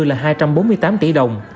là hai trăm bốn mươi tám tỷ đồng